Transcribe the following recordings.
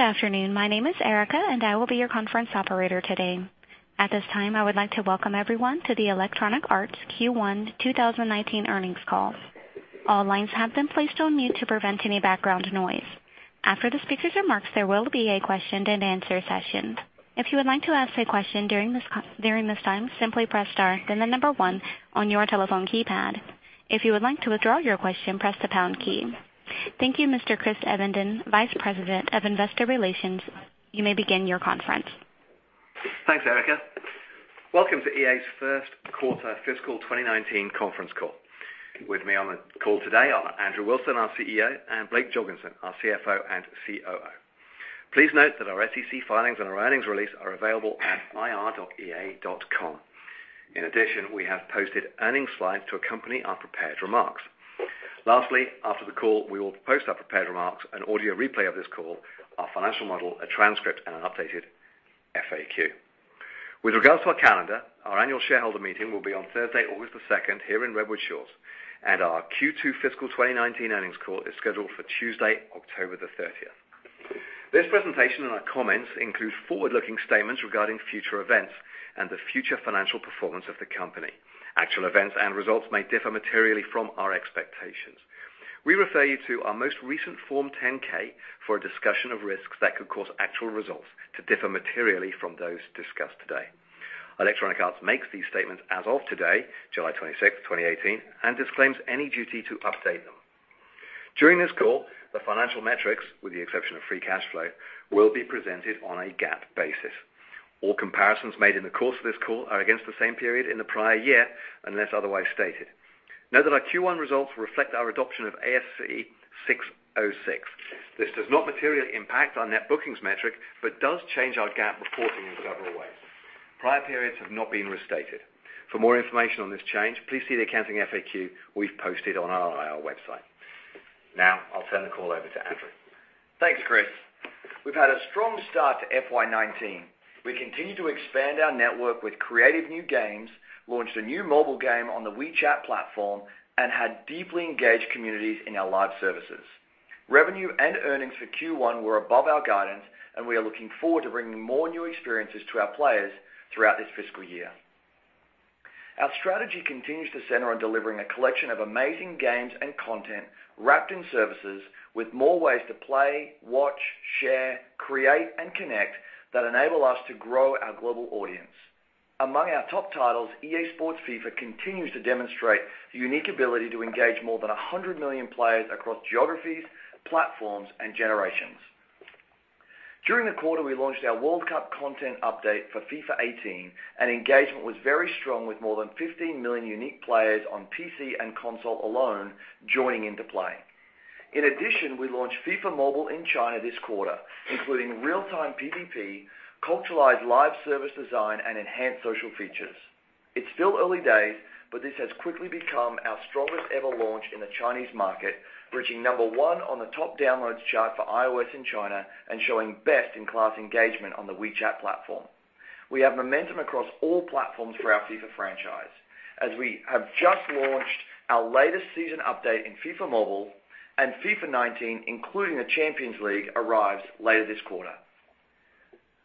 Good afternoon. My name is Erica, and I will be your conference operator today. At this time, I would like to welcome everyone to the Electronic Arts Q1 2019 earnings call. All lines have been placed on mute to prevent any background noise. After the speakers' remarks, there will be a question and answer session. If you would like to ask a question during this time, simply press star then the number one on your telephone keypad. If you would like to withdraw your question, press the pound key. Thank you, Mr. Chris Evenden, Vice President of Investor Relations. You may begin your conference. Thanks, Erica. Welcome to EA's first quarter fiscal 2019 conference call. With me on the call today are Andrew Wilson, our CEO, and Blake Jorgensen, our CFO and COO. Please note that our SEC filings and our earnings release are available at ir.ea.com. In addition, we have posted earnings slides to accompany our prepared remarks. Lastly, after the call, we will post our prepared remarks, an audio replay of this call, our financial model, a transcript, and an updated FAQ. With regards to our calendar, our annual shareholder meeting will be on Thursday, August the 2nd, here in Redwood Shores, and our Q2 fiscal 2019 earnings call is scheduled for Tuesday, October the 30th. This presentation and our comments include forward-looking statements regarding future events and the future financial performance of the company. Actual events and results may differ materially from our expectations. We refer you to our most recent Form 10-K for a discussion of risks that could cause actual results to differ materially from those discussed today. Electronic Arts makes these statements as of today, July 26th, 2018, and disclaims any duty to update them. During this call, the financial metrics, with the exception of free cash flow, will be presented on a GAAP basis. All comparisons made in the course of this call are against the same period in the prior year, unless otherwise stated. Note that our Q1 results reflect our adoption of ASC 606. This does not materially impact our net bookings metric but does change our GAAP reporting in several ways. Prior periods have not been restated. For more information on this change, please see the accounting FAQ we've posted on our IR website. Now, I'll turn the call over to Andrew. Thanks, Chris. We've had a strong start to FY 2019. We continue to expand our network with creative new games, launched a new mobile game on the WeChat platform, and had deeply engaged communities in our live services. Revenue and earnings for Q1 were above our guidance, and we are looking forward to bringing more new experiences to our players throughout this fiscal year. Our strategy continues to center on delivering a collection of amazing games and content wrapped in services with more ways to play, watch, share, create, and connect that enable us to grow our global audience. Among our top titles, EA Sports FIFA continues to demonstrate the unique ability to engage more than 100 million players across geographies, platforms, and generations. During the quarter, we launched our World Cup content update for FIFA 18, and engagement was very strong with more than 15 million unique players on PC and console alone joining in to play. In addition, we launched FIFA Mobile in China this quarter, including real-time PVP, culturalized live service design, and enhanced social features. It's still early days, but this has quickly become our strongest ever launch in the Chinese market, reaching number one on the top downloads chart for iOS in China and showing best-in-class engagement on the WeChat platform. We have momentum across all platforms for our FIFA franchise, as we have just launched our latest season update in FIFA Mobile, and FIFA 19, including the Champions League, arrives later this quarter.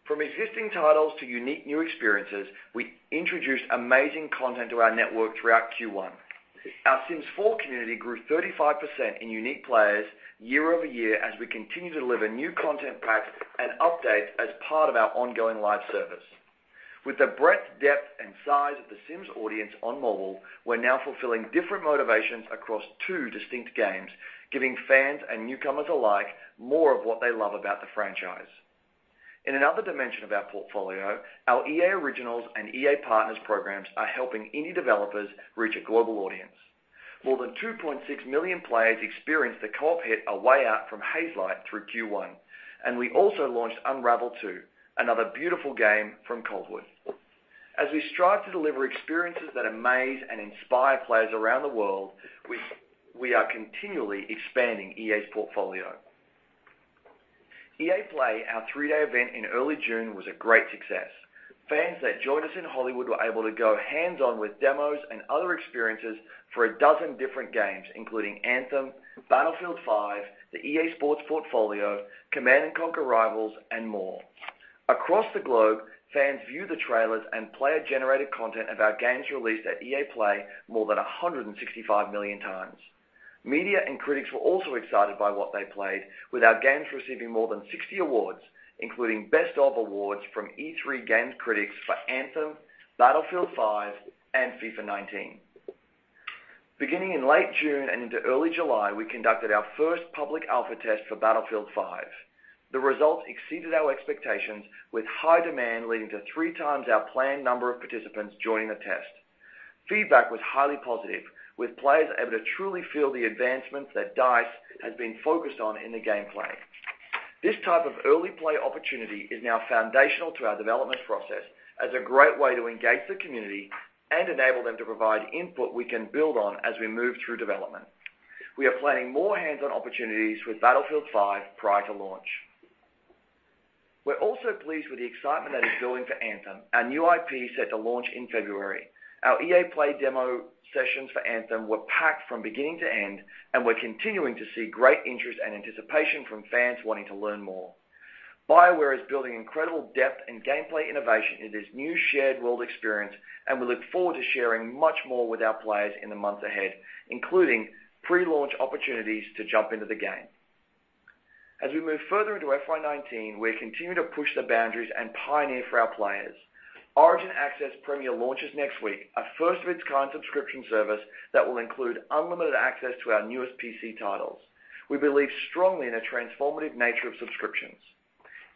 From existing titles to unique new experiences, we introduced amazing content to our network throughout Q1. Our Sims 4 community grew 35% in unique players year-over-year as we continue to deliver new content packs and updates as part of our ongoing live service. With the breadth, depth, and size of The Sims audience on mobile, we're now fulfilling different motivations across two distinct games, giving fans and newcomers alike more of what they love about the franchise. In another dimension of our portfolio, our EA Originals and EA Partners programs are helping indie developers reach a global audience. More than 2.6 million players experienced the co-op hit, A Way Out, from Hazelight through Q1. We also launched Unravel Two, another beautiful game from Coldwood. As we strive to deliver experiences that amaze and inspire players around the world, we are continually expanding EA's portfolio. EA Play, our three-day event in early June, was a great success. Fans that joined us in Hollywood were able to go hands-on with demos and other experiences for a dozen different games, including Anthem, Battlefield V, the EA Sports portfolio, Command & Conquer: Rivals, and more. Across the globe, fans viewed the trailers and player-generated content of our games released at EA Play more than 165 million times. Media and critics were also excited by what they played, with our games receiving more than 60 awards, including best of awards from E3 game critics for Anthem, Battlefield V, and FIFA 19. Beginning in late June and into early July, we conducted our first public alpha test for Battlefield V. The results exceeded our expectations, with high demand leading to three times our planned number of participants joining the test. Feedback was highly positive, with players able to truly feel the advancements that DICE has been focused on in the gameplay. This type of early play opportunity is now foundational to our development process as a great way to engage the community and enable them to provide input we can build on as we move through development. We are planning more hands-on opportunities with Battlefield V prior to launch. We're also pleased with the excitement that is building for Anthem, our new IP set to launch in February. Our EA Play demo sessions for Anthem were packed from beginning to end, and we're continuing to see great interest and anticipation from fans wanting to learn more. BioWare is building incredible depth and gameplay innovation into this new shared world experience, and we look forward to sharing much more with our players in the months ahead, including pre-launch opportunities to jump into the game. As we move further into FY 2019, we're continuing to push the boundaries and pioneer for our players. Origin Access Premier launches next week, a first-of-its-kind subscription service that will include unlimited access to our newest PC titles. We believe strongly in the transformative nature of subscriptions.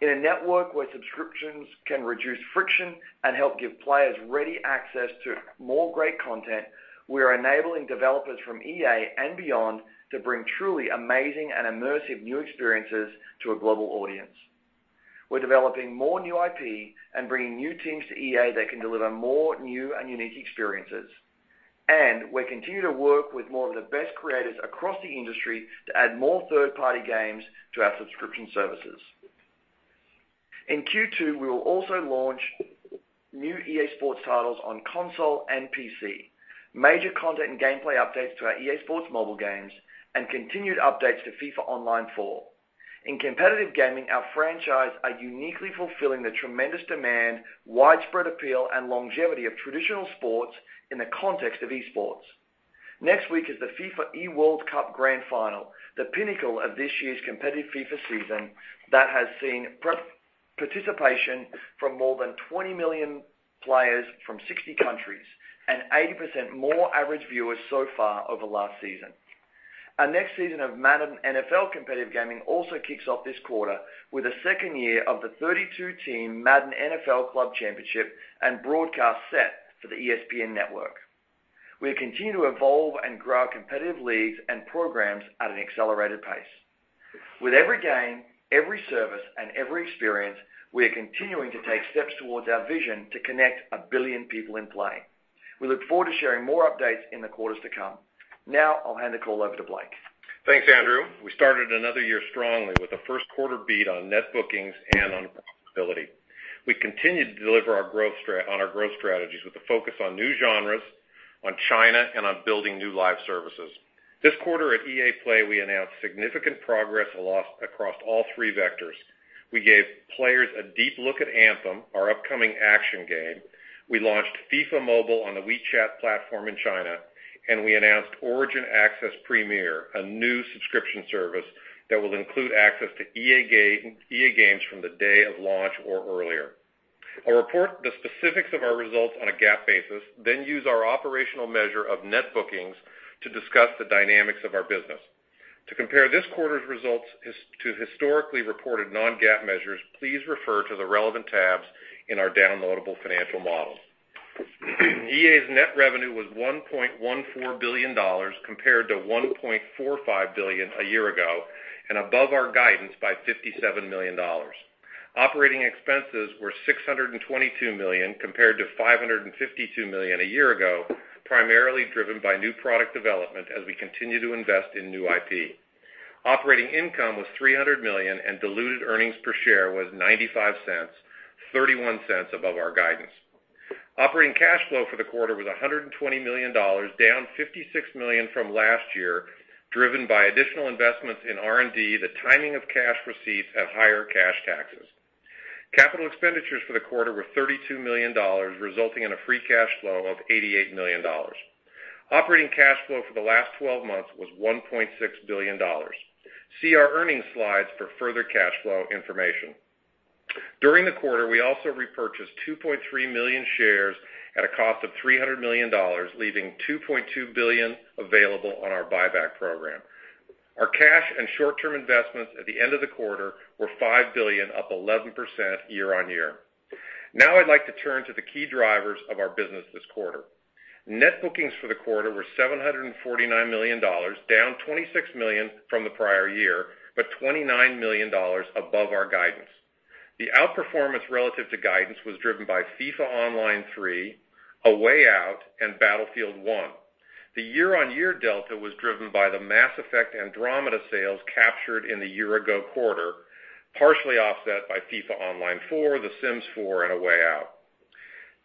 In a network where subscriptions can reduce friction and help give players ready access to more great content, we are enabling developers from EA and beyond to bring truly amazing and immersive new experiences to a global audience. We are developing more new IP and bringing new teams to EA that can deliver more new and unique experiences. We continue to work with more of the best creators across the industry to add more third-party games to our subscription services. In Q2, we will also launch new EA Sports titles on console and PC, major content and gameplay updates to our EA Sports mobile games, and continued updates to FIFA Online 4. In competitive gaming, our franchise are uniquely fulfilling the tremendous demand, widespread appeal, and longevity of traditional sports in the context of esports. Next week is the FIFA eWorld Cup Grand Final, the pinnacle of this year's competitive FIFA season that has seen participation from more than 20 million players from 60 countries, and 80% more average viewers so far over last season. Our next season of Madden NFL competitive gaming also kicks off this quarter, with the second year of the 32-team Madden NFL Club Championship and broadcast set for the ESPN network. We continue to evolve and grow our competitive leagues and programs at an accelerated pace. With every game, every service, and every experience, we are continuing to take steps towards our vision to connect 1 billion people in play. We look forward to sharing more updates in the quarters to come. Now, I'll hand the call over to Blake. Thanks, Andrew. We started another year strongly with a first quarter beat on net bookings and on profitability. We continued to deliver on our growth strategies with a focus on new genres, on China, and on building new live services. This quarter at EA Play, we announced significant progress across all three vectors. We gave players a deep look at Anthem, our upcoming action game, we launched FIFA Mobile on the WeChat platform in China, and we announced Origin Access Premier, a new subscription service that will include access to EA games from the day of launch or earlier. I'll report the specifics of our results on a GAAP basis, then use our operational measure of net bookings to discuss the dynamics of our business. To compare this quarter's results to historically reported non-GAAP measures, please refer to the relevant tabs in our downloadable financial models. EA's net revenue was $1.14 billion, compared to $1.45 billion a year ago, and above our guidance by $57 million. Operating expenses were $622 million, compared to $552 million a year ago, primarily driven by new product development as we continue to invest in new IP. Operating income was $300 million, and diluted earnings per share was $0.95, $0.31 above our guidance. Operating cash flow for the quarter was $120 million, down $56 million from last year, driven by additional investments in R&D, the timing of cash receipts, and higher cash taxes. Capital expenditures for the quarter were $32 million, resulting in a free cash flow of $88 million. Operating cash flow for the last 12 months was $1.6 billion. See our earnings slides for further cash flow information. During the quarter, we also repurchased 2.3 million shares at a cost of $300 million, leaving $2.2 billion available on our buyback program. Our cash and short-term investments at the end of the quarter were $5 billion, up 11% year-on-year. Now I'd like to turn to the key drivers of our business this quarter. Net bookings for the quarter were $749 million, down $26 million from the prior year, but $29 million above our guidance. The outperformance relative to guidance was driven by FIFA Online 3, A Way Out, and Battlefield 1. The year-on-year delta was driven by the Mass Effect: Andromeda sales captured in the year-ago quarter, partially offset by FIFA Online 4, The Sims 4, and A Way Out.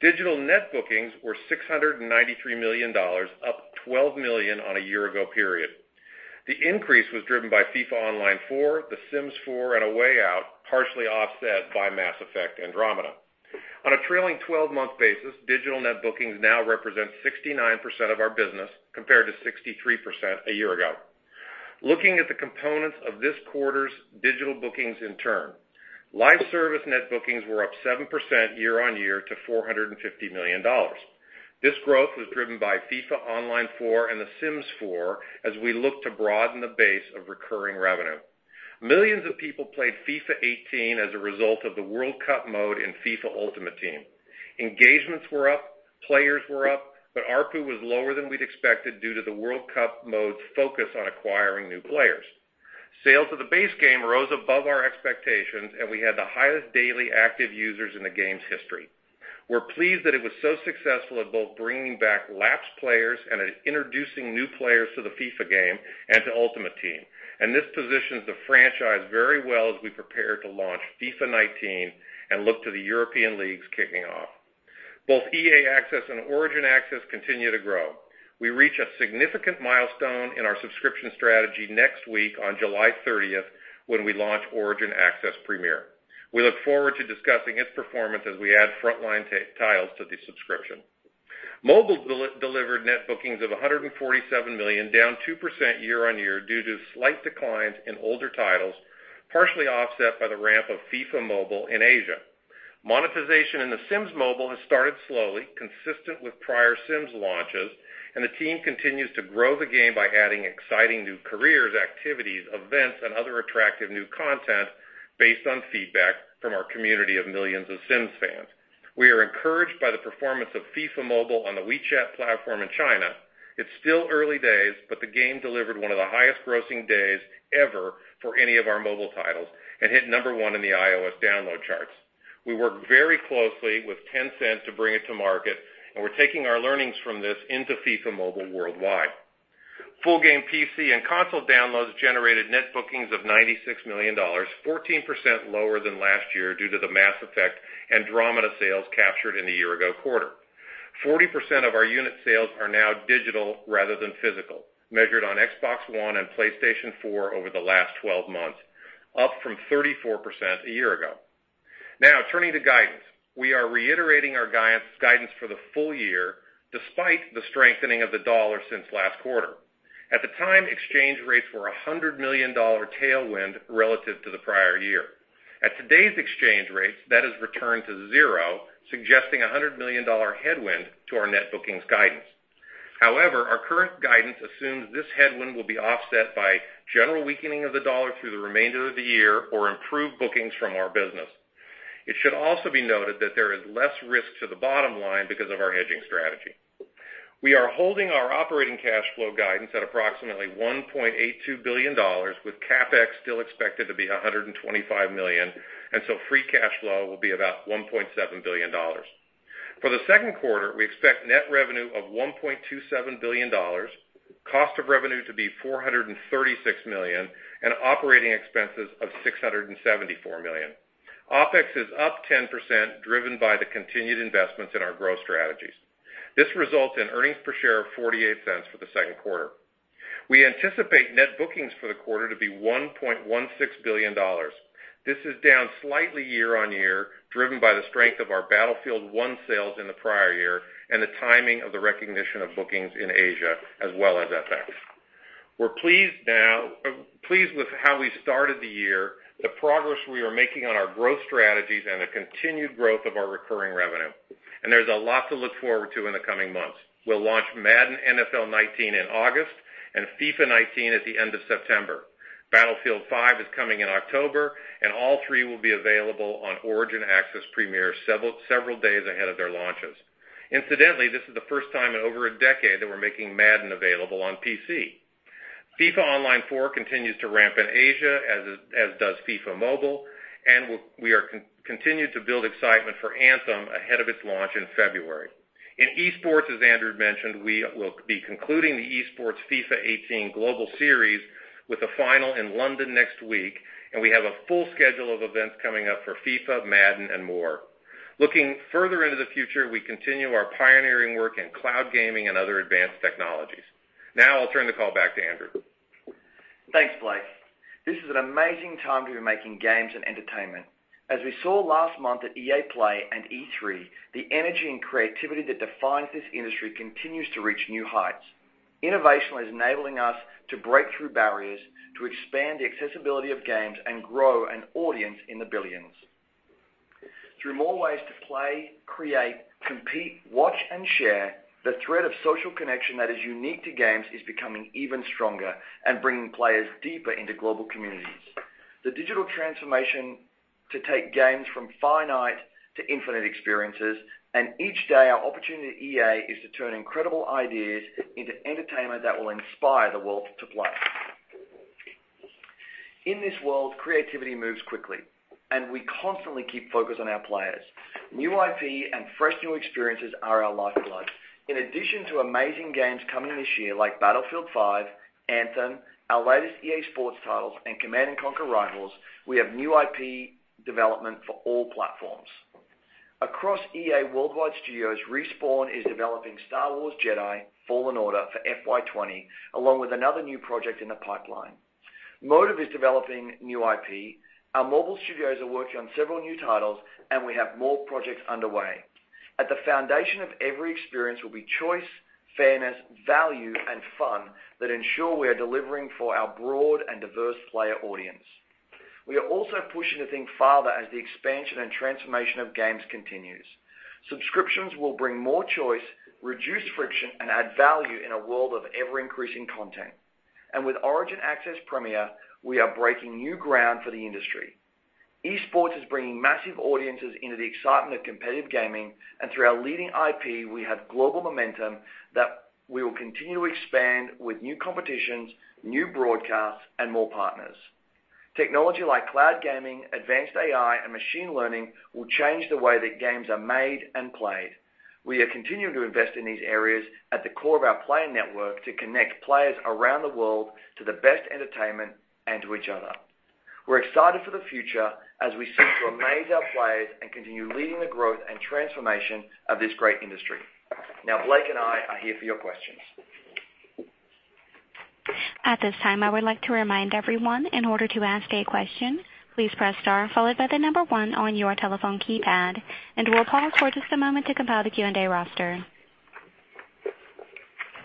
Digital net bookings were $693 million, up $12 million on a year-ago period. The increase was driven by FIFA Online 4, The Sims 4, and A Way Out, partially offset by Mass Effect: Andromeda. On a trailing 12-month basis, digital net bookings now represent 69% of our business, compared to 63% a year ago. Looking at the components of this quarter's digital bookings in turn. Live service net bookings were up 7% year-on-year to $450 million. This growth was driven by FIFA Online 4 and The Sims 4 as we look to broaden the base of recurring revenue. Millions of people played FIFA 18 as a result of the World Cup mode in FIFA Ultimate Team. Engagements were up, players were up, but ARPU was lower than we'd expected due to the World Cup mode's focus on acquiring new players. Sales of the base game rose above our expectations, and we had the highest daily active users in the game's history. We're pleased that it was so successful at both bringing back lapsed players and at introducing new players to the FIFA game and to Ultimate Team. This positions the franchise very well as we prepare to launch FIFA 19 and look to the European leagues kicking off. Both EA Access and Origin Access continue to grow. We reach a significant milestone in our subscription strategy next week on July 30th when we launch Origin Access Premier. We look forward to discussing its performance as we add frontline titles to the subscription. Mobile delivered net bookings of $147 million, down 2% year-on-year due to slight declines in older titles, partially offset by the ramp of FIFA Mobile in Asia. Monetization in The Sims Mobile has started slowly, consistent with prior Sims launches, the team continues to grow the game by adding exciting new careers, activities, events, and other attractive new content based on feedback from our community of millions of Sims fans. We are encouraged by the performance of FIFA Mobile on the WeChat platform in China. It's still early days, but the game delivered one of the highest grossing days ever for any of our mobile titles and hit number one in the iOS download charts. We work very closely with Tencent to bring it to market, we're taking our learnings from this into FIFA Mobile Worldwide. Full game PC and console downloads generated net bookings of $96 million, 14% lower than last year due to the Mass Effect: Andromeda sales captured in the year-ago quarter. 40% of our unit sales are now digital rather than physical, measured on Xbox One and PlayStation 4 over the last 12 months, up from 34% a year ago. Now turning to guidance. We are reiterating our guidance for the full year despite the strengthening of the dollar since last quarter. At the time, exchange rates were $100 million tailwind relative to the prior year. At today's exchange rates, that has returned to zero, suggesting a $100 million headwind to our net bookings guidance. Our current guidance assumes this headwind will be offset by general weakening of the dollar through the remainder of the year or improved bookings from our business. It should also be noted that there is less risk to the bottom line because of our hedging strategy. We are holding our operating cash flow guidance at approximately $1.82 billion, with CapEx still expected to be $125 million, free cash flow will be about $1.7 billion. For the second quarter, we expect net revenue of $1.27 billion, cost of revenue to be $436 million, and operating expenses of $674 million. OpEx is up 10%, driven by the continued investments in our growth strategies. This results in earnings per share of $0.48 for the second quarter. We anticipate net bookings for the quarter to be $1.16 billion. This is down slightly year-on-year, driven by the strength of our Battlefield 1 sales in the prior year and the timing of the recognition of bookings in Asia, as well as FX. We're pleased with how we started the year, the progress we are making on our growth strategies, and the continued growth of our recurring revenue. There's a lot to look forward to in the coming months. We'll launch Madden NFL 19 in August and FIFA 19 at the end of September. Battlefield V is coming in October, and all three will be available on Origin Access Premier several days ahead of their launches. Incidentally, this is the first time in over a decade that we're making Madden available on PC. FIFA Online 4 continues to ramp in Asia, as does FIFA Mobile, and we are continuing to build excitement for Anthem ahead of its launch in February. In esports, as Andrew mentioned, we will be concluding the esports FIFA 18 global series with a final in London next week, and we have a full schedule of events coming up for FIFA, Madden, and more. Looking further into the future, we continue our pioneering work in cloud gaming and other advanced technologies. Now I'll turn the call back to Andrew. Thanks, Blake. This is an amazing time to be making games and entertainment. As we saw last month at EA Play and E3, the energy and creativity that defines this industry continues to reach new heights. Innovation is enabling us to break through barriers, to expand the accessibility of games, and grow an audience in the billions. Through more ways to play, create, compete, watch, and share, the thread of social connection that is unique to games is becoming even stronger and bringing players deeper into global communities. The digital transformation to take games from finite to infinite experiences, and each day our opportunity at EA is to turn incredible ideas into entertainment that will inspire the world to play. In this world, creativity moves quickly, and we constantly keep focus on our players. New IP and fresh new experiences are our lifeblood. In addition to amazing games coming this year like Battlefield V, Anthem, our latest EA Sports titles, and Command & Conquer: Rivals, we have new IP development for all platforms. Across EA worldwide studios, Respawn is developing Star Wars Jedi: Fallen Order for FY 2020, along with another new project in the pipeline. Motive is developing new IP. Our mobile studios are working on several new titles, and we have more projects underway. At the foundation of every experience will be choice, fairness, value, and fun that ensure we are delivering for our broad and diverse player audience. We are also pushing to think farther as the expansion and transformation of games continues. Subscriptions will bring more choice, reduce friction, and add value in a world of ever-increasing content. With Origin Access Premier, we are breaking new ground for the industry. Esports is bringing massive audiences into the excitement of competitive gaming, and through our leading IP, we have global momentum that we will continue to expand with new competitions, new broadcasts, and more partners. Technology like cloud gaming, advanced AI, and machine learning will change the way that games are made and played. We are continuing to invest in these areas at the core of our player network to connect players around the world to the best entertainment and to each other. We're excited for the future as we seek to amaze our players and continue leading the growth and transformation of this great industry. Now, Blake and I are here for your questions. At this time, I would like to remind everyone, in order to ask a question, please press star followed by the number 1 on your telephone keypad, and we'll pause for just a moment to compile the Q&A roster.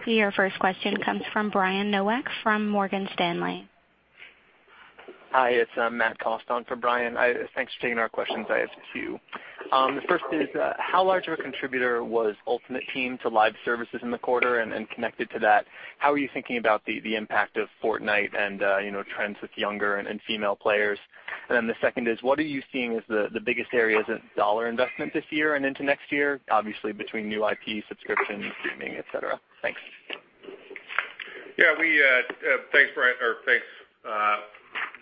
Your first question comes from Brian Nowak from Morgan Stanley. Hi, it's Matthew Cost on for Brian. Thanks for taking our questions. I have a few. The first is, how large of a contributor was Ultimate Team to live services in the quarter? Connected to that, how are you thinking about the impact of Fortnite and trends with younger and female players? The second is: What are you seeing as the biggest areas of dollar investment this year and into next year, obviously between new IP subscriptions, streaming, et cetera? Thanks. Yeah. Thanks, Brian.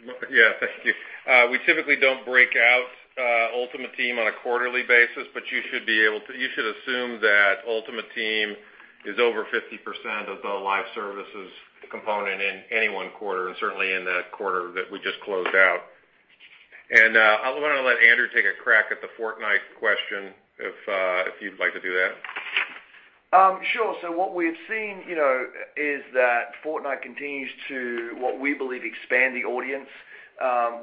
Thank you. We typically don't break out Ultimate Team on a quarterly basis, but you should assume that Ultimate Team is over 50% of the live services component in any one quarter, and certainly in that quarter that we just closed out. I want to let Andrew take a crack at the Fortnite question, if you'd like to do that. Sure. What we've seen is that Fortnite continues to, what we believe, expand the audience.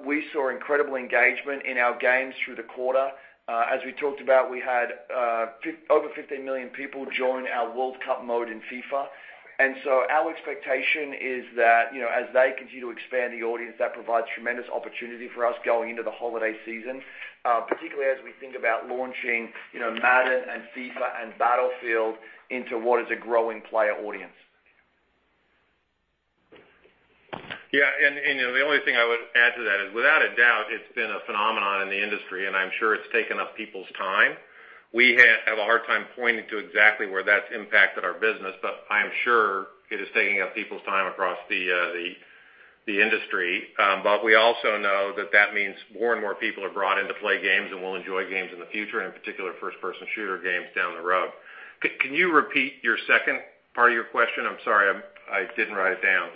We saw incredible engagement in our games through the quarter. As we talked about, we had over 15 million people join our World Cup mode in FIFA. Our expectation is that, as they continue to expand the audience, that provides tremendous opportunity for us going into the holiday season, particularly as we think about launching Madden and FIFA and Battlefield into what is a growing player audience. The only thing I would add to that is, without a doubt, it's been a phenomenon in the industry, and I'm sure it's taken up people's time. We have a hard time pointing to exactly where that's impacted our business, but I am sure it is taking up people's time across the industry. We also know that that means more and more people are brought in to play games and will enjoy games in the future, and in particular, first-person shooter games down the road. Can you repeat your second part of your question? I'm sorry. I didn't write it down.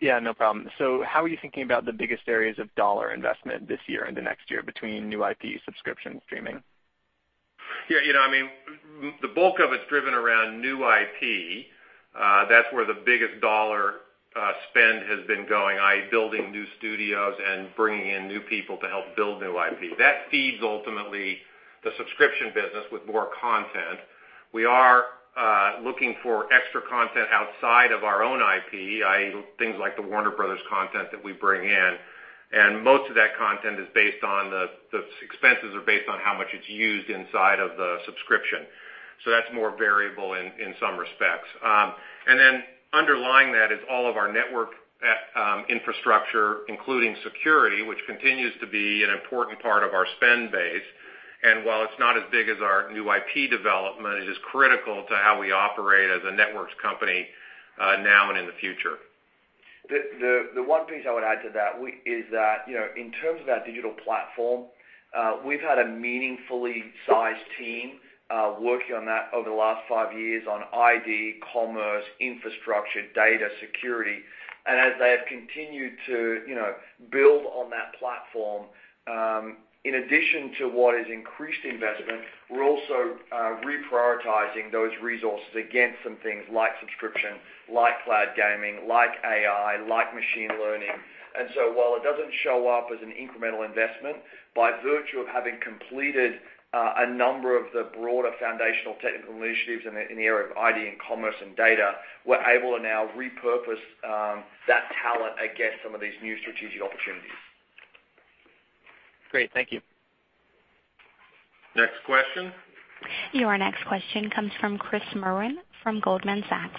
Yeah, no problem. How are you thinking about the biggest areas of dollar investment this year and the next year between new IP subscriptions streaming? Yeah. The bulk of it's driven around new IP. That's where the biggest dollar spend has been going. i.e., building new studios and bringing in new people to help build new IP. That feeds, ultimately, the subscription business with more content. We are looking for extra content outside of our own IP, i.e., things like the Warner Bros. content that we bring in. Most of that content is based on the expenses are based on how much it's used inside of the subscription. That's more variable in some respects. Then underlying that is all of our network infrastructure, including security, which continues to be an important part of our spend base. While it's not as big as our new IP development, it is critical to how we operate as a networks company now and in the future. The one piece I would add to that is that, in terms of our digital platform, we've had a meaningfully sized team working on that over the last five years on ID, commerce, infrastructure, data security. As they have continued to build on that platform, in addition to what is increased investment, we're also reprioritizing those resources against some things like subscription, like cloud gaming, like AI, like machine learning. While it doesn't show up as an incremental investment, by virtue of having completed a number of the broader foundational technical initiatives in the area of ID and commerce and data, we're able to now repurpose that talent against some of these new strategic opportunities. Great. Thank you. Next question. Your next question comes from Chris Merwin from Goldman Sachs.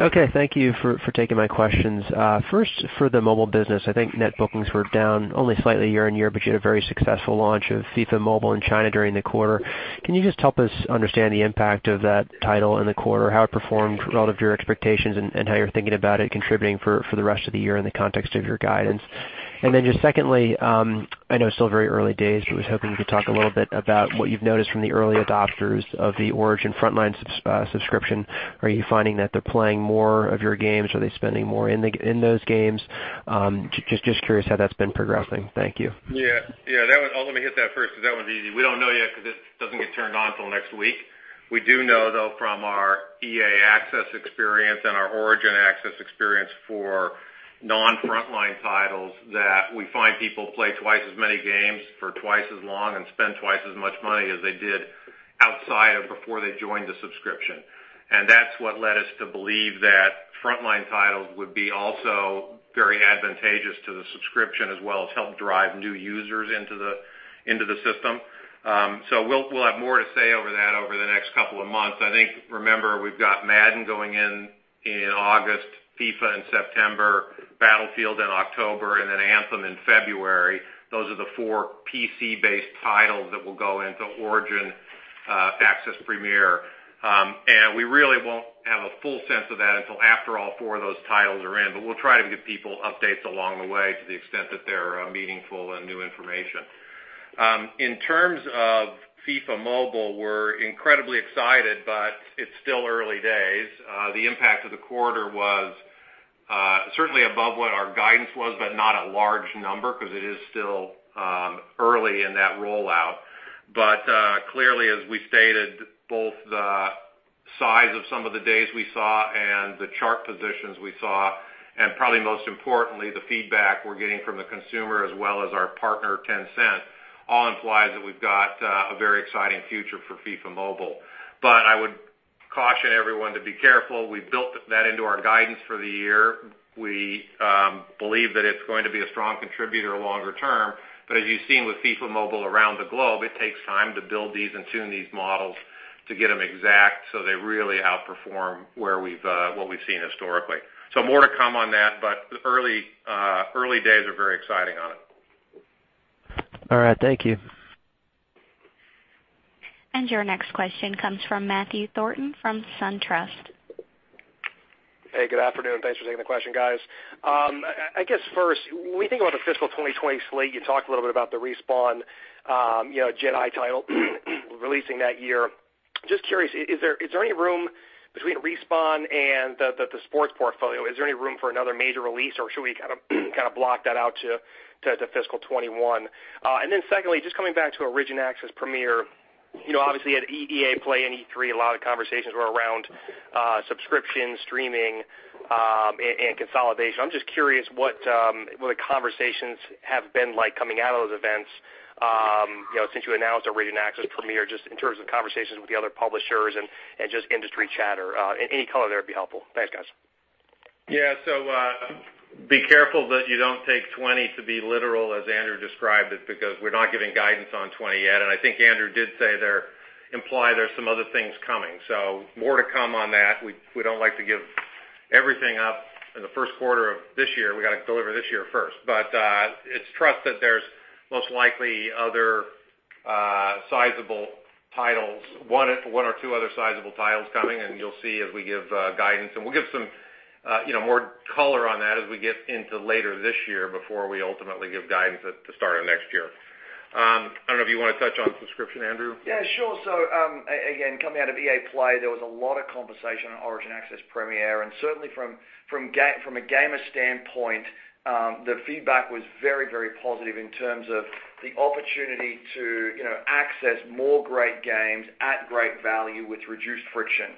Okay. Thank you for taking my questions. First, for the mobile business, I think net bookings were down only slightly year-over-year, but you had a very successful launch of FIFA Mobile in China during the quarter. Can you just help us understand the impact of that title in the quarter, how it performed relative to your expectations, and how you're thinking about it contributing for the rest of the year in the context of your guidance? Just secondly, I know it's still very early days, but was hoping you could talk a little bit about what you've noticed from the early adopters of the Origin Premier subscription. Are you finding that they're playing more of your games? Are they spending more in those games? Just curious how that's been progressing. Thank you. Yeah. Let me hit that first because that one's easy. We don't know yet because it doesn't get turned on till next week. We do know, though, from our EA Access experience and our Origin Access experience for non-Premier titles that we find people play twice as many games for twice as long and spend twice as much money as they did outside of before they joined the subscription. That's what led us to believe that Premier titles would be also very advantageous to the subscription, as well as help drive new users into the system. We'll have more to say over that over the next couple of months. I think, remember, we've got Madden going in in August, FIFA in September, Battlefield in October, In February, those are the four PC-based titles that will go into Origin Access Premier. We really won't have a full sense of that until after all four of those titles are in. We'll try to give people updates along the way to the extent that they're meaningful and new information. In terms of FIFA Mobile, we're incredibly excited, but it's still early days. The impact of the quarter was certainly above what our guidance was, but not a large number because it is still early in that rollout. Clearly, as we stated, both the size of some of the days we saw and the chart positions we saw, and probably most importantly, the feedback we're getting from the consumer as well as our partner, Tencent, all implies that we've got a very exciting future for FIFA Mobile. I would caution everyone to be careful. We built that into our guidance for the year. We believe that it's going to be a strong contributor longer term. As you've seen with FIFA Mobile around the globe, it takes time to build these and tune these models to get them exact, so they really outperform what we've seen historically. More to come on that, but the early days are very exciting on it. All right. Thank you. Your next question comes from Matthew Thornton from SunTrust. Hey, good afternoon. Thanks for taking the question, guys. I guess first, when we think about the fiscal 2020 slate, you talked a little bit about the Respawn Jedi title releasing that year. Just curious, between Respawn and the sports portfolio, is there any room for another major release, or should we kind of block that out to fiscal 2021? Then secondly, just coming back to Origin Access Premier, obviously at EA Play and E3, a lot of conversations were around subscription, streaming, and consolidation. I'm just curious what the conversations have been like coming out of those events since you announced Origin Access Premier, just in terms of conversations with the other publishers and just industry chatter. Any color there would be helpful. Thanks, guys. Yeah. Be careful that you don't take 2020 to be literal as Andrew described it, because we're not giving guidance on 2020 yet. I think Andrew did imply there's some other things coming. More to come on that. We don't like to give everything up in the first quarter of this year. We got to deliver this year first. It's trust that there's most likely one or two other sizable titles coming, and you'll see as we give guidance. We'll give some more color on that as we get into later this year before we ultimately give guidance at the start of next year. I don't know if you want to touch on subscription, Andrew? Yeah, sure. Again, coming out of EA Play, there was a lot of conversation on Origin Access Premier. Certainly from a gamer standpoint, the feedback was very positive in terms of the opportunity to access more great games at great value with reduced friction.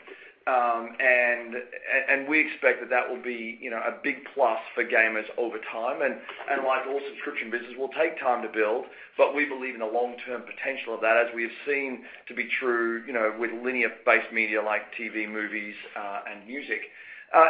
We expect that that will be a big plus for gamers over time. Like all subscription business, will take time to build, but we believe in the long-term potential of that, as we have seen to be true with linear-based media like TV, movies, and music.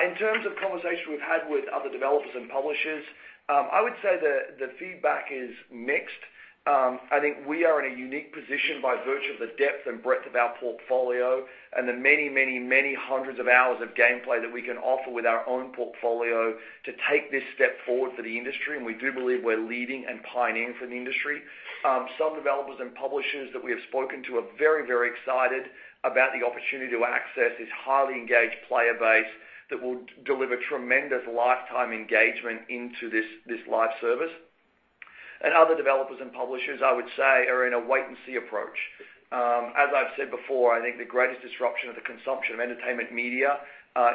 In terms of conversation we've had with other developers and publishers, I would say the feedback is mixed. I think we are in a unique position by virtue of the depth and breadth of our portfolio and the many hundreds of hours of gameplay that we can offer with our own portfolio to take this step forward for the industry. We do believe we're leading and pioneering for the industry. Some developers and publishers that we have spoken to are very excited about the opportunity to access this highly engaged player base that will deliver tremendous lifetime engagement into this live service. Other developers and publishers, I would say, are in a wait and see approach. As I've said before, I think the greatest disruption of the consumption of entertainment media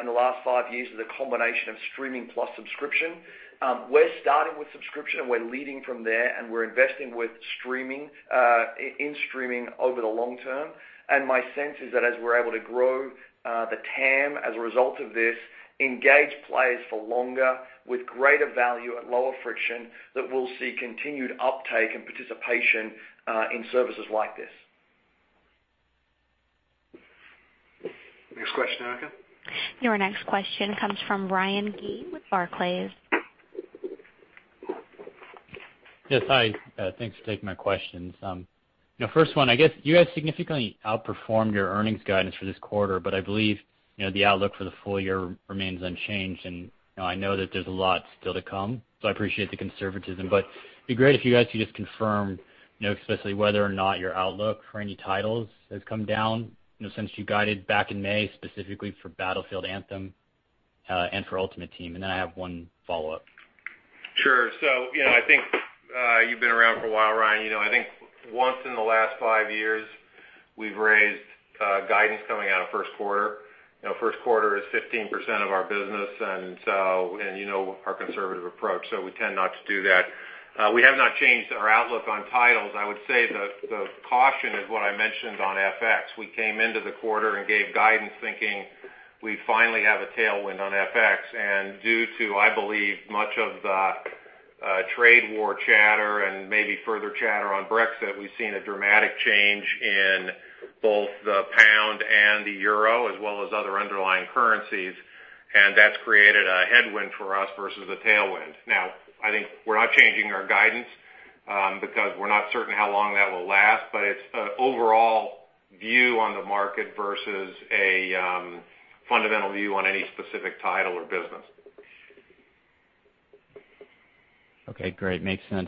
in the last five years is a combination of streaming plus subscription. We're starting with subscription. We're leading from there. We're investing in streaming over the long term. My sense is that as we're able to grow the TAM as a result of this, engage players for longer with greater value at lower friction, that we'll see continued uptake and participation in services like this. Next question, Erica. Your next question comes from Ryan Gee with Barclays. Yes, hi. Thanks for taking my questions. First one, I guess you guys significantly outperformed your earnings guidance for this quarter, but I believe the outlook for the full year remains unchanged. I know that there's a lot still to come, so I appreciate the conservatism. It'd be great if you guys could just confirm especially whether or not your outlook for any titles has come down since you guided back in May, specifically for Battlefield, Anthem, and for Ultimate Team. I have one follow-up. Sure. I think you've been around for a while, Ryan. I think once in the last five years, we've raised guidance coming out of first quarter. First quarter is 15% of our business, and you know our conservative approach, so we tend not to do that. We have not changed our outlook on titles. I would say the caution is what I mentioned on FX. We came into the quarter and gave guidance thinking we finally have a tailwind on FX. Due to, I believe, much of the trade war chatter and maybe further chatter on Brexit, we've seen a dramatic change in both the pound and the euro, as well as other underlying currencies, and that's created a headwind for us versus a tailwind. Now, I think we're not changing our guidance because we're not certain how long that will last, but it's an overall view on the market versus a fundamental view on any specific title or business. Okay, great. Makes sense.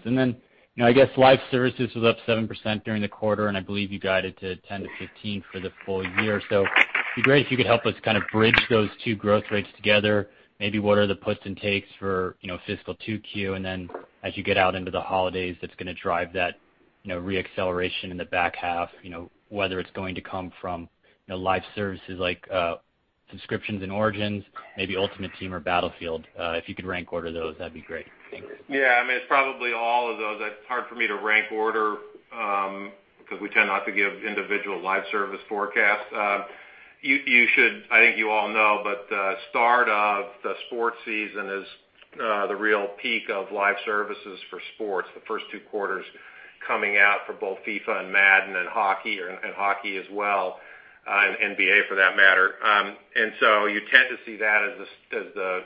I guess Live Services was up 7% during the quarter, and I believe you guided to 10%-15% for the full year. It'd be great if you could help us kind of bridge those two growth rates together. Maybe what are the puts and takes for fiscal 2Q, and then as you get out into the holidays, that's going to drive that re-acceleration in the back half, whether it's going to come from live services like subscriptions and Origin, maybe Ultimate Team or Battlefield. If you could rank order those, that'd be great. Thanks. Yeah, it's probably all of those. It's hard for me to rank order because we tend not to give individual live service forecasts. I think you all know, the start of the sports season is the real peak of live services for sports. The first two quarters coming out for both FIFA and Madden and hockey as well, and NBA for that matter. You tend to see that as the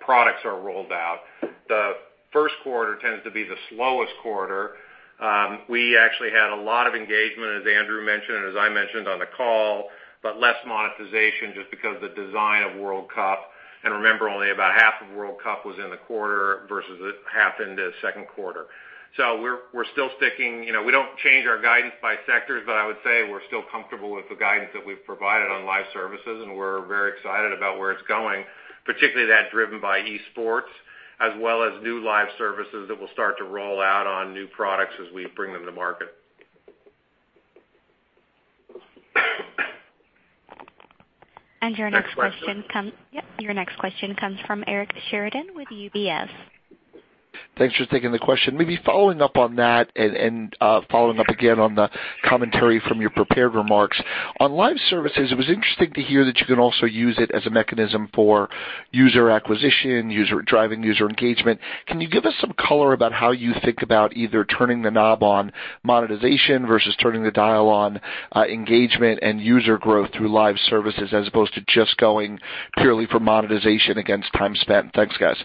products are rolled out. The first quarter tends to be the slowest quarter. We actually had a lot of engagement, as Andrew mentioned, and as I mentioned on the call, but less monetization just because the design of World Cup. Remember, only about half of World Cup was in the quarter versus half in the second quarter. We're still sticking. We don't change our guidance by sectors. I would say we're still comfortable with the guidance that we've provided on live services, and we're very excited about where it's going, particularly that driven by esports as well as new live services that will start to roll out on new products as we bring them to market. Your next question comes- Next question. Yep. Your next question comes from Eric Sheridan with UBS. Thanks for taking the question. Maybe following up on that, following up again on the commentary from your prepared remarks. On live services, it was interesting to hear that you can also use it as a mechanism for user acquisition, driving user engagement. Can you give us some color about how you think about either turning the knob on monetization versus turning the dial on engagement and user growth through live services as opposed to just going purely for monetization against time spent? Thanks, guys.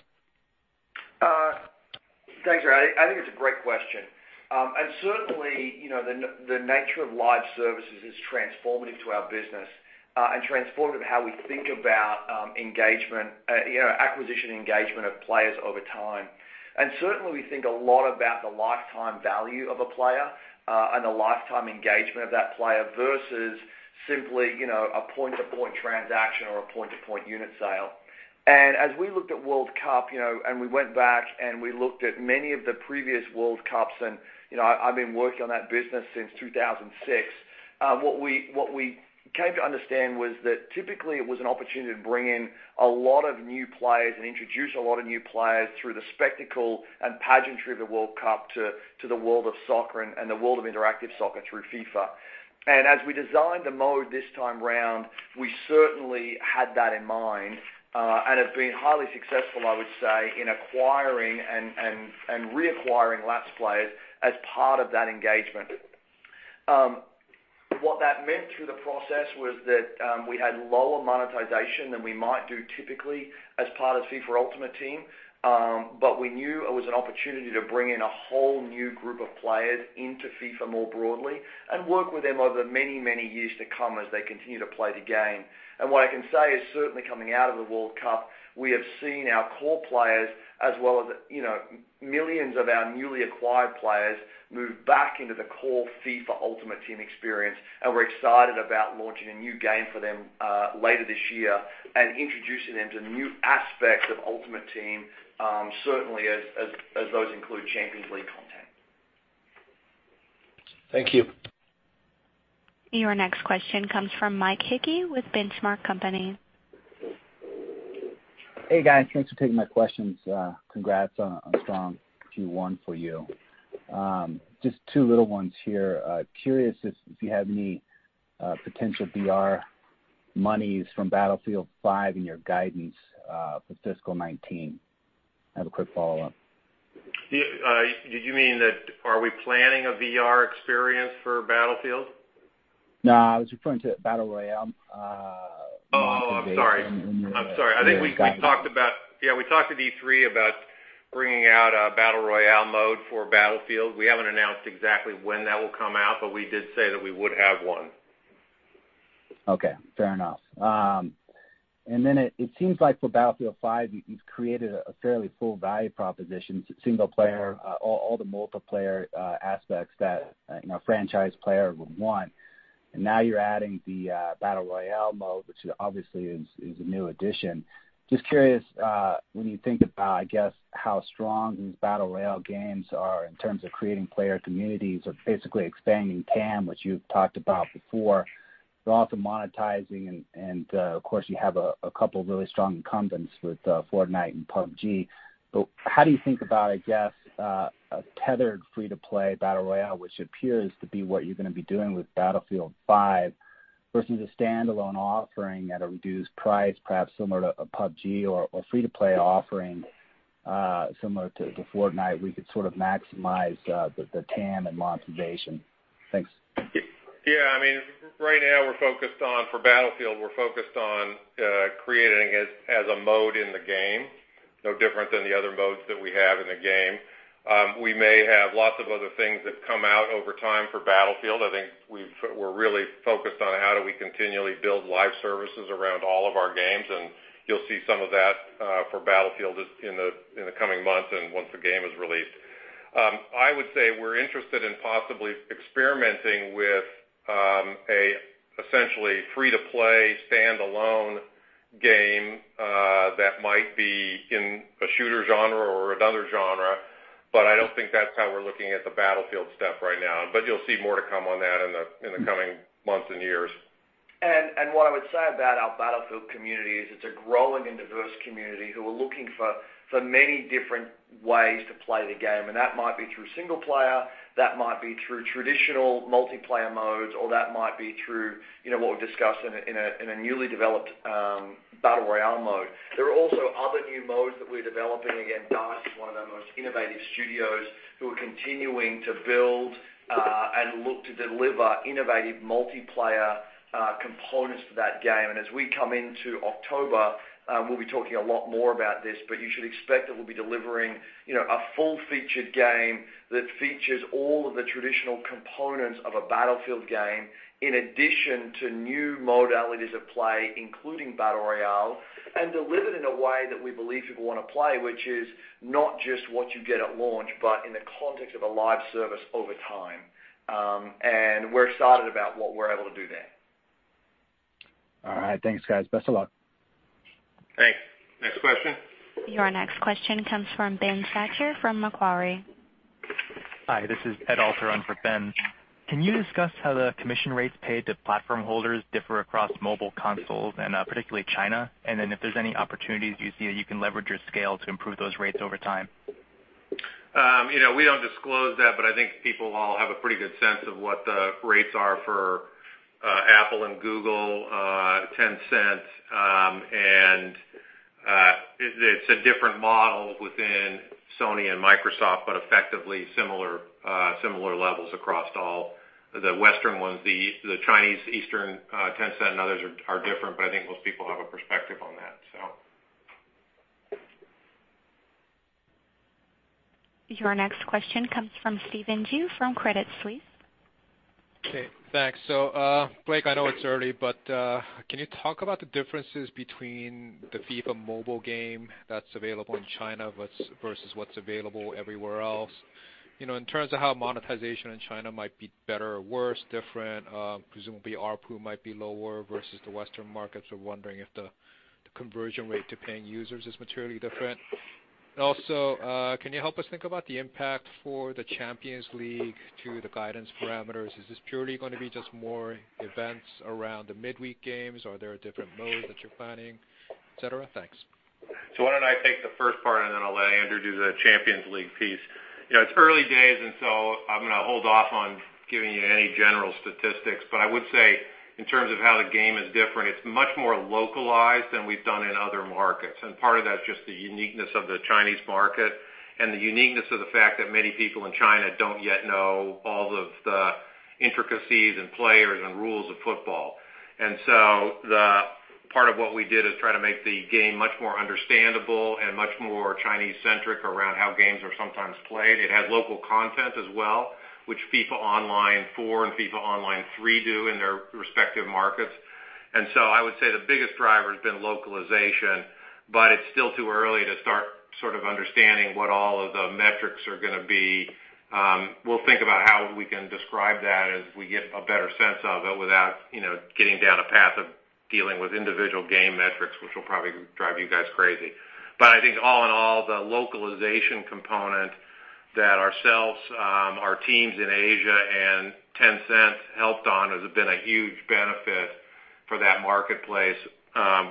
Thanks, Eric. I think it's a great question. Certainly, the nature of live services is transformative to our business and transformative how we think about acquisition engagement of players over time. Certainly, we think a lot about the lifetime value of a player and the lifetime engagement of that player versus simply a point-to-point transaction or a point-to-point unit sale. As we looked at World Cup, we went back and we looked at many of the previous World Cups, and I've been working on that business since 2006. What we came to understand was that typically it was an opportunity to bring in a lot of new players and introduce a lot of new players through the spectacle and pageantry of the World Cup to the world of soccer and the world of interactive soccer through FIFA. As we designed the mode this time around, we certainly had that in mind and have been highly successful, I would say, in acquiring and reacquiring lapsed players as part of that engagement. What that meant through the process was that we had lower monetization than we might do typically as part of FIFA Ultimate Team. We knew it was an opportunity to bring in a whole new group of players into FIFA more broadly and work with them over many, many years to come as they continue to play the game. What I can say is certainly coming out of the World Cup, we have seen our core players as well as millions of our newly acquired players move back into the core FIFA Ultimate Team experience. We're excited about launching a new game for them later this year and introducing them to new aspects of Ultimate Team, certainly as those include Champions League content. Thank you. Your next question comes from Mike Hickey with The Benchmark Company. Hey, guys. Thanks for taking my questions. Congrats on a strong Q1 for you. Just two little ones here. Curious if you have any potential Battle Royale from Battlefield V in your guidance for FY 2019. I have a quick follow-up. Do you mean are we planning a VR experience for Battlefield? No, I was referring to Battle Royale. Oh, I'm sorry. In your guidance. I'm sorry. I think we talked at E3 about bringing out a Battle Royale mode for Battlefield. We haven't announced exactly when that will come out, but we did say that we would have one. Okay, fair enough. Then it seems like for Battlefield V, you've created a fairly full value proposition, single player, all the multiplayer aspects that franchise player would want. Now you're adding the Battle Royale mode, which obviously is a new addition. Just curious when you think about, I guess, how strong these Battle Royale games are in terms of creating player communities or physically expanding TAM, which you've talked about before, but also monetizing. Of course, you have a couple of really strong incumbents with Fortnite and PUBG. How do you think about, I guess, a tethered free-to-play Battle Royale, which appears to be what you're going to be doing with Battlefield V versus a standalone offering at a reduced price, perhaps similar to a PUBG or free-to-play offering similar to Fortnite, where you could sort of maximize the TAM and monetization. Thanks. Yeah. Right now for Battlefield, we're focused on creating it as a mode in the game. No different than the other modes that we have in the game. We may have lots of other things that come out over time for Battlefield. I think we're really focused on how do we continually build live services around all of our games, and you'll see some of that for Battlefield in the coming months, and once the game is released. I would say we're interested in possibly experimenting with a essentially free-to-play standalone game that might be in a shooter genre or another genre. I don't think that's how we're looking at the Battlefield stuff right now. You'll see more to come on that in the coming months and years. What I would say about our Battlefield community is it's a growing and diverse community who are looking for many different ways to play the game. That might be through single player, that might be through traditional multiplayer modes, or that might be through what we've discussed in a newly developed Battle Royale mode. There are also other new modes that we're developing. Again, DICE is one of our most innovative studios who are continuing to build and look to deliver innovative multiplayer components to that game. As we come into October, we'll be talking a lot more about this, but you should expect that we'll be delivering a full-featured game that features all of the traditional components of a Battlefield game, in addition to new modalities of play, including battle royale, and delivered in a way that we believe people want to play, which is not just what you get at launch, but in the context of a live service over time. We're excited about what we're able to do there. All right. Thanks, guys. Best of luck. Thanks. Next question. Your next question comes from Ben Schachter from Macquarie. Hi, this is Ed Alteron for Ben. Can you discuss how the commission rates paid to platform holders differ across mobile consoles, and particularly China? If there's any opportunities you see that you can leverage your scale to improve those rates over time? We don't disclose that, but I think people all have a pretty good sense of what the rates are for Apple and Google, Tencent. It's a different model within Sony and Microsoft, but effectively similar levels across all the Western ones. The Chinese Eastern, Tencent, and others are different, but I think most people have a perspective on that. Your next question comes from Stephen Ju from Credit Suisse. Okay, thanks. Blake, I know it's early, but can you talk about the differences between the FIFA Mobile game that's available in China versus what's available everywhere else? In terms of how monetization in China might be better or worse, different, presumably ARPU might be lower versus the Western markets. We're wondering if the conversion rate to paying users is materially different. Can you help us think about the impact for the Champions League to the guidance parameters? Is this purely going to be just more events around the midweek games? Are there different modes that you're planning, et cetera? Thanks. Why don't I take the first part, then I'll let Andrew do the Champions League piece. It's early days, I'm going to hold off on giving you any general statistics. I would say in terms of how the game is different, it's much more localized than we've done in other markets. Part of that is just the uniqueness of the Chinese market and the uniqueness of the fact that many people in China don't yet know all of the intricacies and players and rules of football. The part of what we did is try to make the game much more understandable and much more Chinese-centric around how games are sometimes played. It has local content as well, which FIFA Online 4 and FIFA Online 3 do in their respective markets. I would say the biggest driver has been localization, but it's still too early to start sort of understanding what all of the metrics are going to be. We'll think about how we can describe that as we get a better sense of it without getting down a path of dealing with individual game metrics, which will probably drive you guys crazy. I think all in all, the localization component that ourselves, our teams in Asia, and Tencent helped on has been a huge benefit for that marketplace,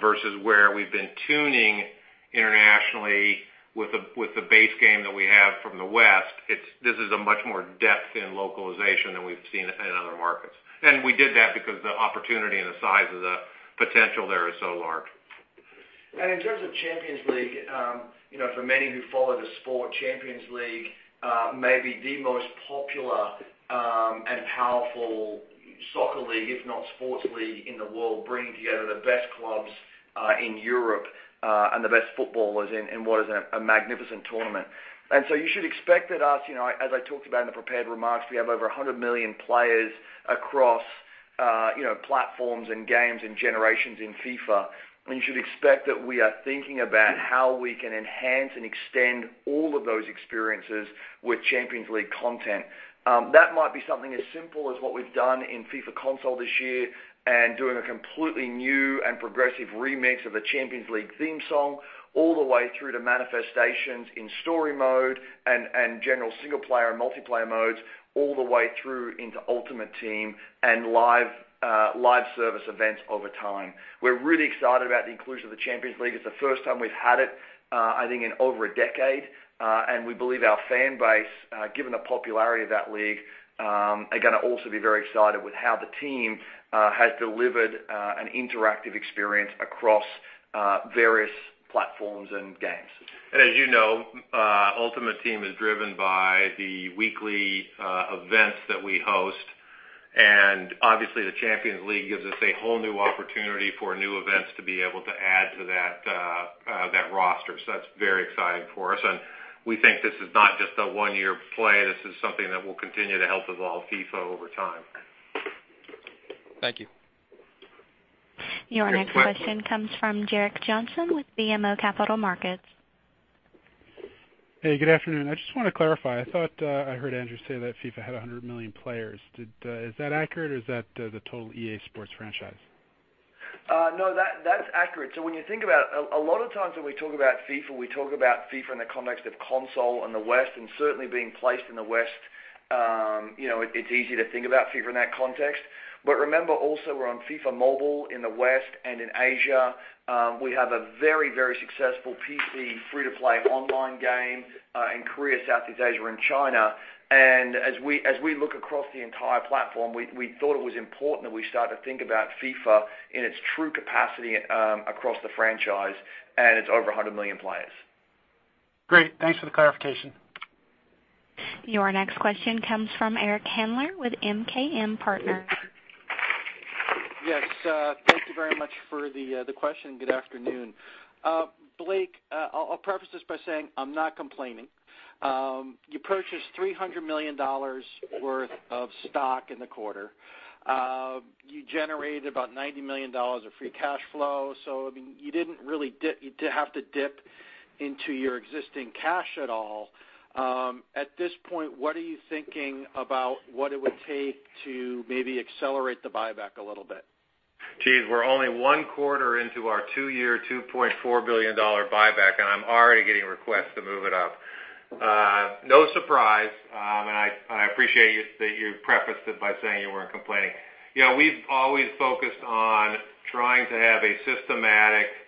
versus where we've been tuning internationally with the base game that we have from the West. This is a much more depth in localization than we've seen in other markets. We did that because the opportunity and the size of the potential there is so large. In terms of Champions League, for many who follow the sport, Champions League may be the most popular and powerful soccer league, if not sports league in the world, bringing together the best clubs in Europe and the best footballers in what is a magnificent tournament. You should expect that us, as I talked about in the prepared remarks, we have over 100 million players across platforms and games and generations in FIFA. You should expect that we are thinking about how we can enhance and extend all of those experiences with Champions League content. That might be something as simple as what we've done in FIFA console this year and doing a completely new and progressive remix of the Champions League theme song all the way through to manifestations in story mode and general single player and multiplayer modes all the way through into Ultimate Team and live service events over time. We're really excited about the inclusion of the Champions League. It's the first time we've had it, I think in over a decade. We believe our fan base, given the popularity of that league, are going to also be very excited with how the team has delivered an interactive experience across various platforms and games. As you know, Ultimate Team is driven by the weekly events that we host. Obviously, the Champions League gives us a whole new opportunity for new events to be able to add to that roster. That's very exciting for us. We think this is not just a one-year play, this is something that will continue to help evolve FIFA over time. Thank you. Your next question comes from Gerrick Johnson with BMO Capital Markets. Hey, good afternoon. I just want to clarify, I thought I heard Andrew say that FIFA had 100 million players. Is that accurate or is that the total EA Sports franchise? No, that's accurate. When you think about it, a lot of times when we talk about FIFA, we talk about FIFA in the context of console in the West, and certainly being placed in the West, it's easy to think about FIFA in that context. Remember also we're on FIFA Mobile in the West and in Asia. We have a very successful PC free-to-play online game in Korea, Southeast Asia, and China. As we look across the entire platform, we thought it was important that we start to think about FIFA in its true capacity across the franchise, and it's over 100 million players. Great. Thanks for the clarification. Your next question comes from Eric Handler with MKM Partners. Yes. Thank you very much for the question. Good afternoon. Blake, I'll preface this by saying I'm not complaining. You purchased $300 million worth of stock in the quarter. You generated about $90 million of free cash flow. You didn't have to dip into your existing cash at all. At this point, what are you thinking about what it would take to maybe accelerate the buyback a little bit? Geez. We're only one quarter into our two-year, $2.4 billion buyback. I'm already getting requests to move it up. No surprise. I appreciate that you prefaced it by saying you weren't complaining. We've always focused on trying to have a systematic program,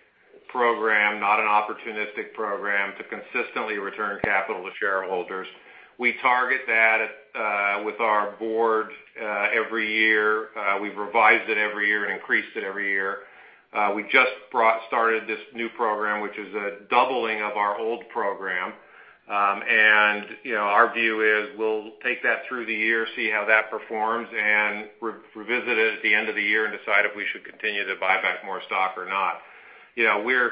not an opportunistic program, to consistently return capital to shareholders. We target that with our board every year. We've revised it every year and increased it every year. We just started this new program, which is a doubling of our old program. Our view is we'll take that through the year, see how that performs, and revisit it at the end of the year and decide if we should continue to buy back more stock or not. We're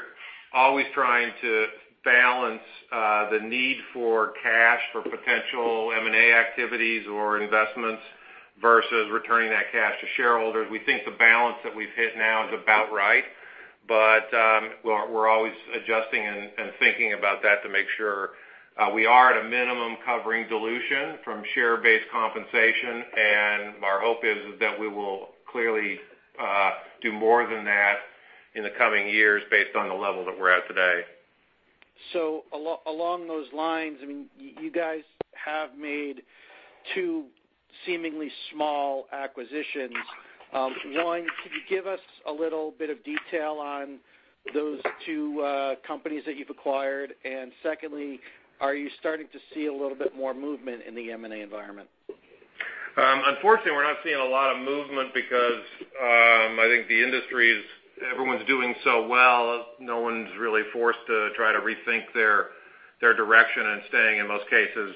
always trying to balance the need for cash for potential M&A activities or investments versus returning that cash to shareholders. We think the balance that we've hit now is about right, but we're always adjusting and thinking about that to make sure we are at a minimum covering dilution from share-based compensation. Our hope is that we will clearly do more than that in the coming years based on the level that we're at today. Along those lines, you guys have made two seemingly small acquisitions. One, can you give us a little bit of detail on those two companies that you've acquired? Secondly, are you starting to see a little bit more movement in the M&A environment? Unfortunately, we're not seeing a lot of movement because I think the industry is everyone's doing so well. No one's really forced to try to rethink their direction and staying, in most cases,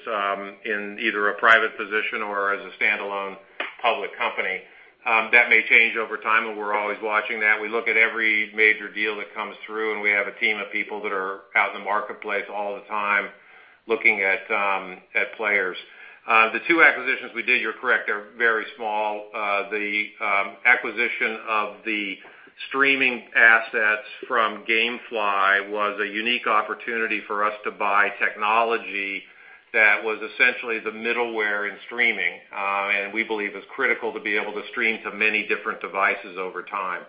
in either a private position or as a standalone public company. That may change over time, and we're always watching that. We look at every major deal that comes through, and we have a team of people that are out in the marketplace all the time looking at players. The two acquisitions we did, you're correct, are very small. The acquisition of the streaming assets from GameFly was a unique opportunity for us to buy technology that was essentially the middleware in streaming. We believe it's critical to be able to stream to many different devices over time.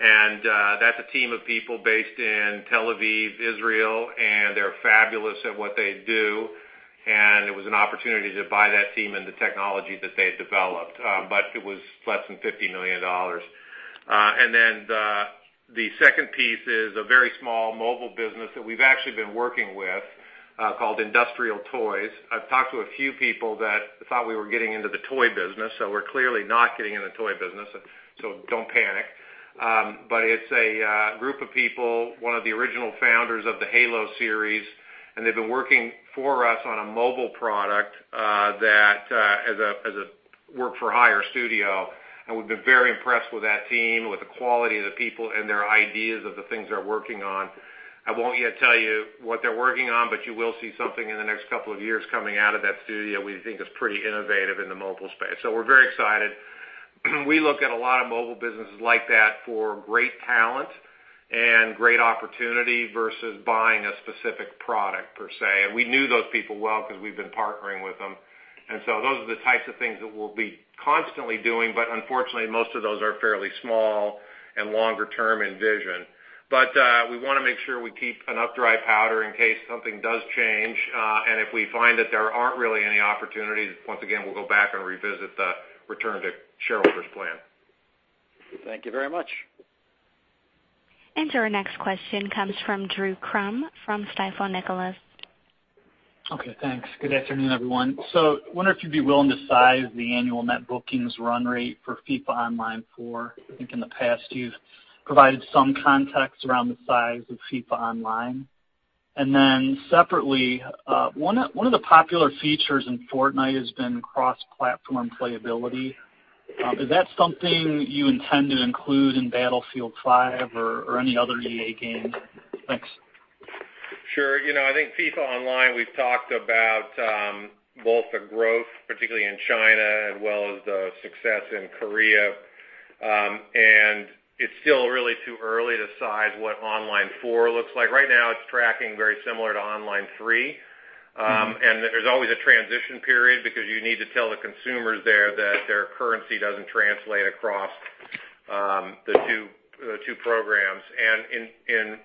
That's a team of people based in Tel Aviv, Israel, and they're fabulous at what they do. It was an opportunity to buy that team and the technology that they had developed. It was less than $50 million. The second piece is a very small mobile business that we've actually been working with, called Industrial Toys. I've talked to a few people that thought we were getting into the toy business, we're clearly not getting in the toy business, don't panic. It's a group of people, one of the original founders of the Halo series, and they've been working for us on a mobile product as a work-for-hire studio, and we've been very impressed with that team, with the quality of the people and their ideas of the things they're working on. I won't yet tell you what they're working on, you will see something in the next couple of years coming out of that studio we think is pretty innovative in the mobile space. We're very excited. We look at a lot of mobile businesses like that for great talent and great opportunity versus buying a specific product, per se. We knew those people well because we've been partnering with them. Those are the types of things that we'll be constantly doing, unfortunately, most of those are fairly small and longer term in vision. We want to make sure we keep enough dry powder in case something does change. If we find that there aren't really any opportunities, once again, we'll go back and revisit the return-to-shareholders plan. Thank you very much. Our next question comes from Drew Crum from Stifel Nicolaus. Okay, thanks. Good afternoon, everyone. I wonder if you'd be willing to size the annual net bookings run rate for FIFA Online 4. I think in the past you've provided some context around the size of FIFA Online. Separately, one of the popular features in Fortnite has been cross-platform playability. Is that something you intend to include in Battlefield V or any other EA game? Thanks. Sure. I think FIFA Online, we've talked about both the growth, particularly in China, as well as the success in Korea. It's still really too early to size what Online 4 looks like. Right now, it's tracking very similar to Online 3. There's always a transition period because you need to tell the consumers there that their currency doesn't translate across the two programs. In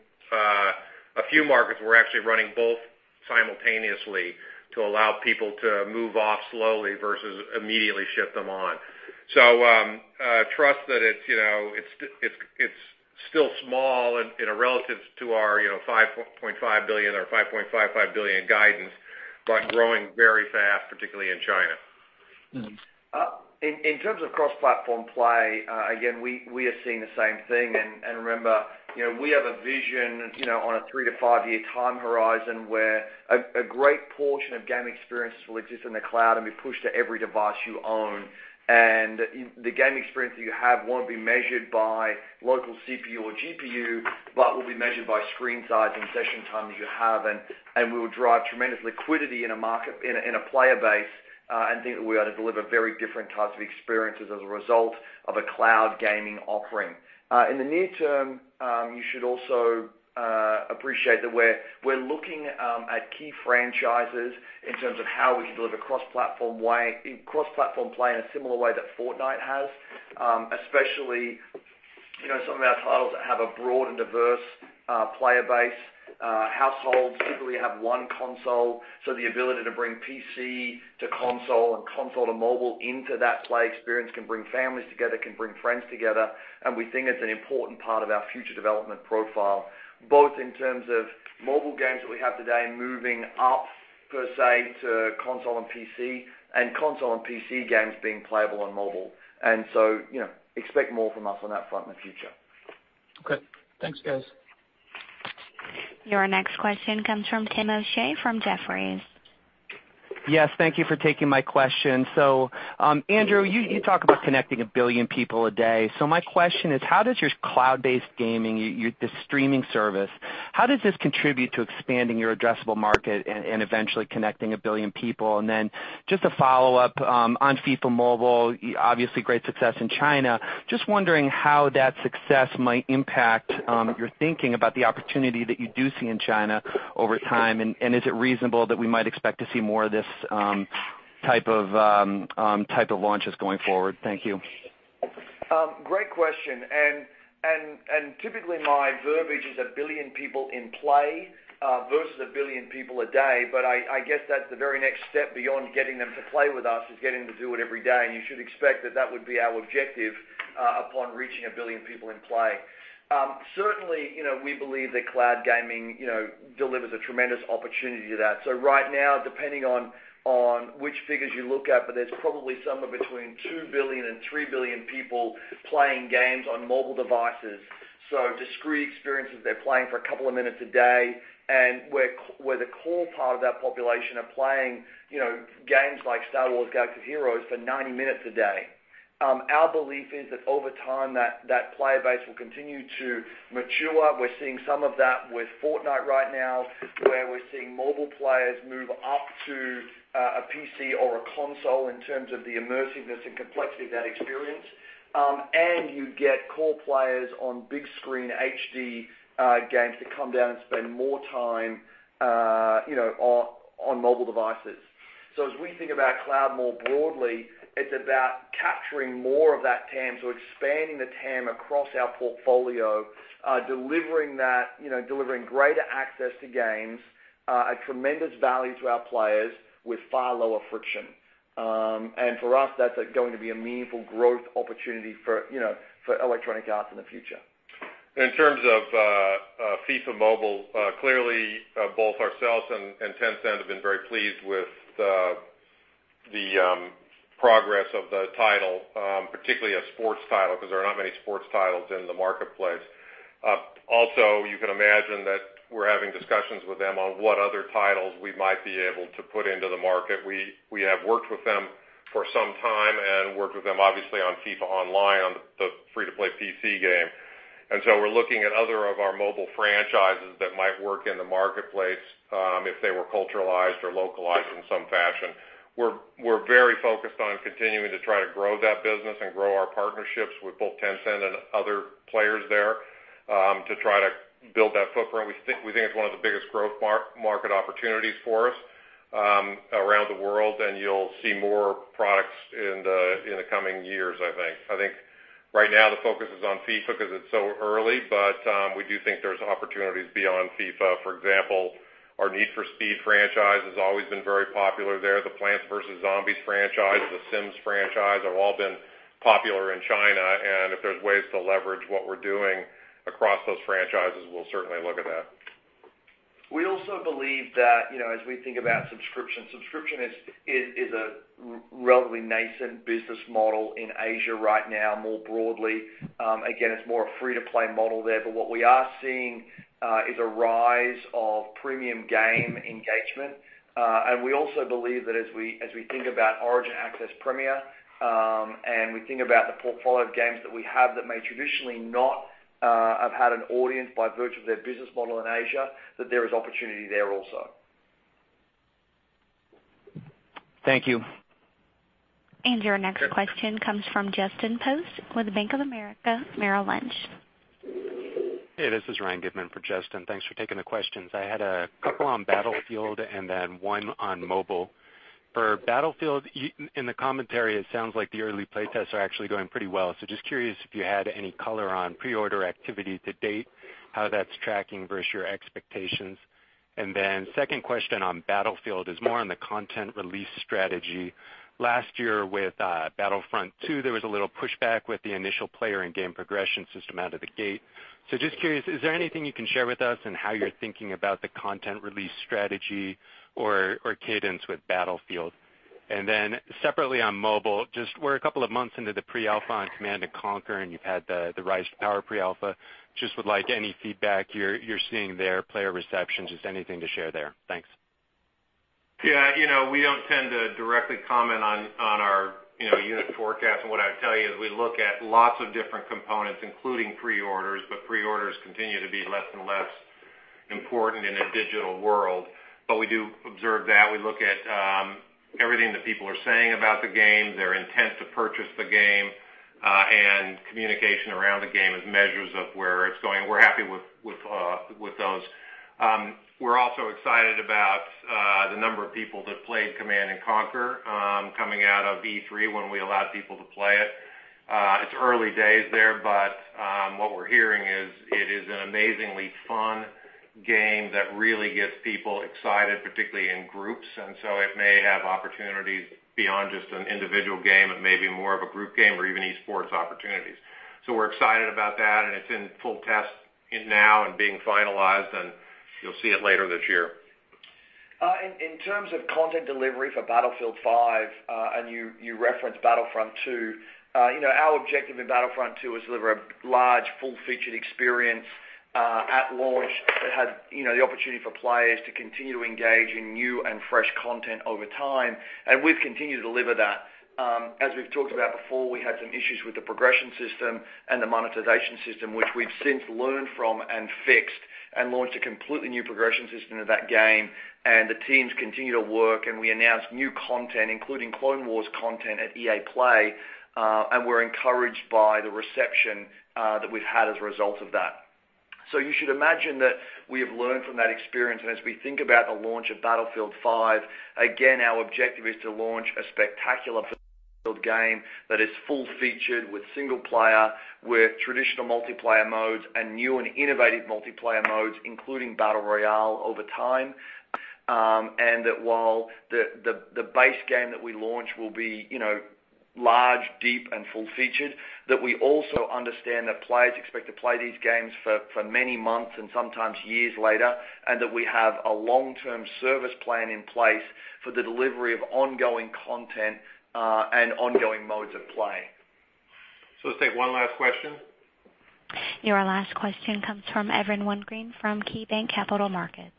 a few markets, we're actually running both simultaneously to allow people to move off slowly versus immediately ship them on. Trust that it's still small and relative to our $5.5 billion or $5.55 billion guidance, but growing very fast, particularly in China. In terms of cross-platform play, again, we are seeing the same thing. Remember, we have a vision, on a 3- to 5-year time horizon where a great portion of game experiences will exist in the cloud and be pushed to every device you own. The game experience that you have won't be measured by local CPU or GPU, but will be measured by screen size and session time that you have. We will drive tremendous liquidity in a player base, and think that we are to deliver very different types of experiences as a result of a cloud gaming offering. In the near term, you should also appreciate that we're looking at key franchises in terms of how we can deliver cross-platform play in a similar way that Fortnite has, especially some of our titles that have a broad and diverse player base. Households typically have one console, the ability to bring PC to console and console to mobile into that play experience can bring families together, can bring friends together, and we think it's an important part of our future development profile, both in terms of mobile games that we have today moving up, per se, to console and PC, and console and PC games being playable on mobile. Expect more from us on that front in the future. Okay. Thanks, guys. Your next question comes from Timothy O'Shea from Jefferies. Yes, thank you for taking my question. Andrew, you talk about connecting a billion people a day. My question is, how does your cloud-based gaming, the streaming service, how does this contribute to expanding your addressable market and eventually connecting a billion people? Just a follow-up on FIFA Mobile, obviously great success in China. Just wondering how that success might impact your thinking about the opportunity that you do see in China over time, and is it reasonable that we might expect to see more of this type of launches going forward? Thank you. Great question. Typically my verbiage is a billion people in play versus a billion people a day. I guess that's the very next step beyond getting them to play with us, is getting them to do it every day. You should expect that that would be our objective upon reaching a billion people in play. Certainly, we believe that cloud gaming delivers a tremendous opportunity to that. Right now, depending on which figures you look at, but there's probably somewhere between 2 billion and 3 billion people playing games on mobile devices. Discrete experiences, they're playing for a couple of minutes a day, and where the core part of that population are playing games like Star Wars: Galaxy of Heroes for 90 minutes a day. Our belief is that over time, that play base will continue to mature. We're seeing some of that with Fortnite right now, where we're seeing mobile players move up to a PC or a console in terms of the immersiveness and complexity of that experience. You get core players on big screen HD games to come down and spend more time on mobile devices. As we think about cloud more broadly, it's about capturing more of that TAM. Expanding the TAM across our portfolio, delivering greater access to games at tremendous value to our players with far lower friction. For us, that's going to be a meaningful growth opportunity for Electronic Arts in the future. In terms of FIFA Mobile, clearly, both ourselves and Tencent have been very pleased with the progress of the title, particularly a sports title, because there are not many sports titles in the marketplace. Also, you can imagine that we're having discussions with them on what other titles we might be able to put into the market. We have worked with them for some time and worked with them obviously on FIFA Online, on the free-to-play PC game. We're looking at other of our mobile franchises that might work in the marketplace if they were culturalized or localized in some fashion. We're very focused on continuing to try to grow that business and grow our partnerships with both Tencent and other players there to try to build that footprint. We think it's one of the biggest growth market opportunities for us around the world, and you'll see more products in the coming years, I think. I think right now the focus is on FIFA because it's so early, but we do think there's opportunities beyond FIFA. For example, our Need for Speed franchise has always been very popular there. The Plants vs. Zombies franchise or The Sims franchise have all been popular in China, and if there's ways to leverage what we're doing across those franchises, we'll certainly look at that. We also believe that as we think about subscription is a relatively nascent business model in Asia right now, more broadly. Again, it's more a free-to-play model there. What we are seeing is a rise of premium game engagement. We also believe that as we think about Origin Access Premier, and we think about the portfolio of games that we have that may traditionally not have had an audience by virtue of their business model in Asia, that there is opportunity there also. Thank you. Your next question comes from Justin Post with Bank of America Merrill Lynch. Hey, this is Ryan Goodman for Justin. Thanks for taking the questions. I had a couple on Battlefield and then one on mobile. For Battlefield, in the commentary, it sounds like the early play tests are actually going pretty well. Just curious if you had any color on pre-order activity to date, how that's tracking versus your expectations. Second question on Battlefield is more on the content release strategy. Last year with Star Wars Battlefront II, there was a little pushback with the initial player and game progression system out of the gate. Just curious, is there anything you can share with us on how you're thinking about the content release strategy or cadence with Battlefield? Separately on mobile, just we're a couple of months into the pre-alpha on Command & Conquer: Rivals, and you've had the Star Wars: Rise to Power pre-alpha. Would like any feedback you're seeing there, player reception, just anything to share there. Thanks. We don't tend to directly comment on our unit forecast. What I would tell you is we look at lots of different components, including pre-orders, but pre-orders continue to be less and less important in a digital world. We do observe that. We look at everything that people are saying about the game, their intent to purchase the game, and communication around the game as measures of where it's going. We're happy with those. We're also excited about the number of people that played Command & Conquer coming out of E3 when we allowed people to play it. It's early days there, but what we're hearing is it is an amazingly fun game that really gets people excited, particularly in groups. It may have opportunities beyond just an individual game. It may be more of a group game or even esports opportunities. We're excited about that, and it's in full test now and being finalized, and you'll see it later this year. In terms of content delivery for Battlefield V, you referenced Battlefront II, our objective in Battlefront II was to deliver a large, full-featured experience at launch that had the opportunity for players to continue to engage in new and fresh content over time. We've continued to deliver that. As we've talked about before, we had some issues with the progression system and the monetization system, which we've since learned from and fixed and launched a completely new progression system in that game. The teams continue to work, and we announced new content, including Clone Wars content at EA Play, and we're encouraged by the reception that we've had as a result of that. You should imagine that we have learned from that experience. As we think about the launch of Battlefield 5, again, our objective is to launch a spectacular game that is full-featured with single player, with traditional multiplayer modes, and new and innovative multiplayer modes, including battle royale over time. That while the base game that we launch will be large, deep, and full-featured, we also understand that players expect to play these games for many months and sometimes years later, and that we have a long-term service plan in place for the delivery of ongoing content and ongoing modes of play. Let's take one last question. Your last question comes from Evan Wingren from KeyBanc Capital Markets.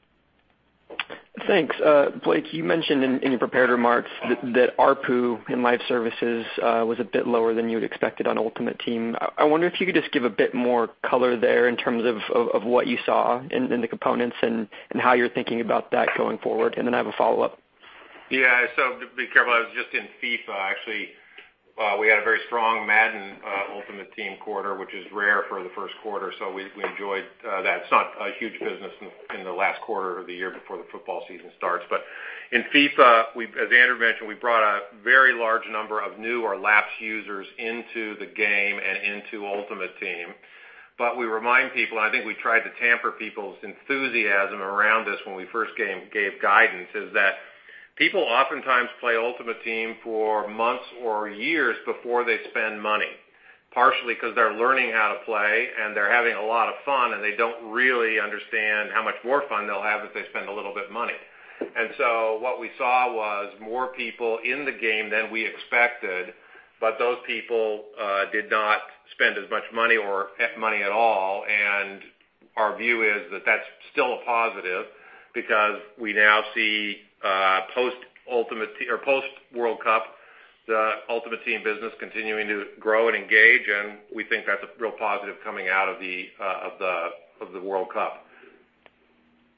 Thanks. Blake, you mentioned in your prepared remarks that ARPU in live services was a bit lower than you had expected on Ultimate Team. I wonder if you could just give a bit more color there in terms of what you saw in the components and how you're thinking about that going forward. I have a follow-up. Yeah. To be clear, I was just in FIFA, actually. We had a very strong Madden Ultimate Team quarter, which is rare for the first quarter, so we enjoyed that. It's not a huge business in the last quarter of the year before the football season starts. In FIFA, as Andrew mentioned, we brought a very large number of new or lapsed users into the game and into Ultimate Team. We remind people, and I think we tried to tamper people's enthusiasm around this when we first gave guidance, is that people oftentimes play Ultimate Team for months or years before they spend money, partially because they're learning how to play and they're having a lot of fun, and they don't really understand how much more fun they'll have if they spend a little bit of money. What we saw was more people in the game than we expected, but those people did not spend as much money or money at all. Our view is that that's still a positive because we now see post-World Cup, the Ultimate Team business continuing to grow and engage, and we think that's a real positive coming out of the World Cup.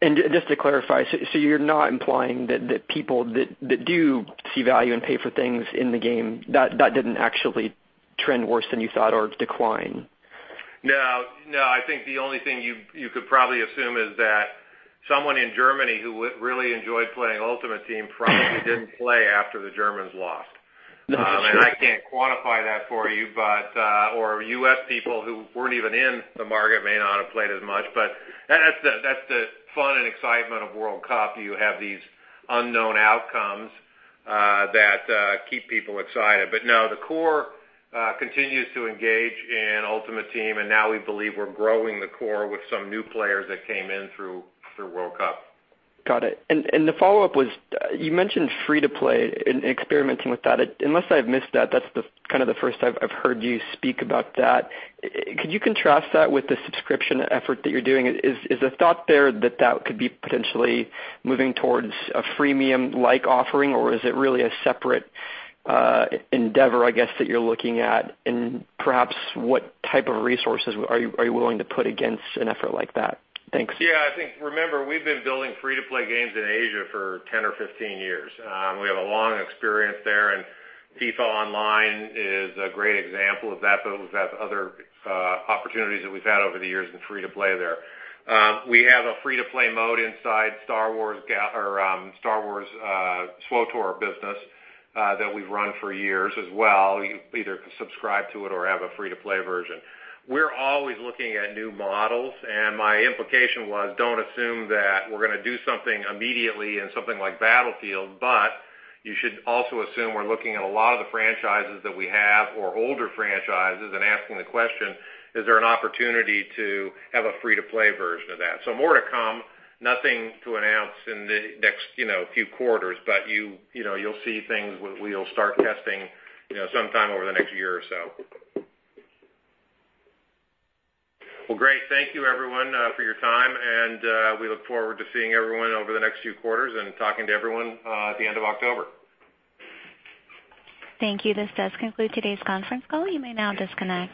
Just to clarify, you're not implying that people that do see value and pay for things in the game, that didn't actually trend worse than you thought or decline? No. I think the only thing you could probably assume is that someone in Germany who really enjoyed playing Ultimate Team probably didn't play after the Germans lost. That's true. I can't quantify that for you, or U.S. people who weren't even in the market may not have played as much. That's the fun and excitement of World Cup. You have these unknown outcomes that keep people excited. No, the core continues to engage in Ultimate Team, and now we believe we're growing the core with some new players that came in through World Cup. Got it. The follow-up was, you mentioned free-to-play and experimenting with that. Unless I've missed that's kind of the first I've heard you speak about that. Could you contrast that with the subscription effort that you're doing? Is the thought there that that could be potentially moving towards a freemium-like offering, or is it really a separate endeavor, I guess, that you're looking at? Perhaps what type of resources are you willing to put against an effort like that? Thanks. Yeah, I think, remember, we've been building free-to-play games in Asia for 10 or 15 years. We have a long experience there, FIFA Online is a great example of that, but we've had other opportunities that we've had over the years in free-to-play there. We have a free-to-play mode inside Star Wars: SWTOR business that we've run for years as well. You either can subscribe to it or have a free-to-play version. We're always looking at new models, my implication was, don't assume that we're going to do something immediately in something like Battlefield. You should also assume we're looking at a lot of the franchises that we have or older franchises and asking the question, is there an opportunity to have a free-to-play version of that? More to come. Nothing to announce in the next few quarters, you'll see things we'll start testing sometime over the next year or so. Well, great. Thank you everyone for your time. We look forward to seeing everyone over the next few quarters and talking to everyone at the end of October. Thank you. This does conclude today's conference call. You may now disconnect.